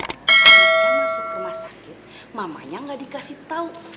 dia masuk rumah sakit mamanya gak dikasih tau